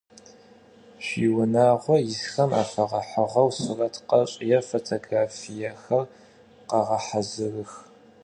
Шъуиунагъо исхэм афэгъэхьыгъэу сурэт къэшӏ, е фотографиехэр къэгъэхьазырых.